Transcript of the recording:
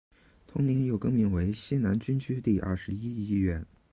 同年又更名为西南军区第二十一医院。